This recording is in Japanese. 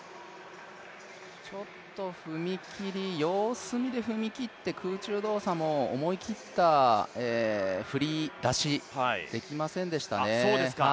ちょっと様子見で踏み切って空中動作も思い切った振り出しできませんでしたね。